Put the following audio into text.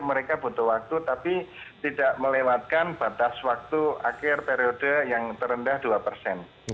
mereka butuh waktu tapi tidak melewatkan batas waktu akhir periode yang terendah dua persen